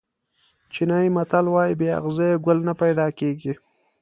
چینایي متل وایي بې اغزیو ګل نه پیدا کېږي.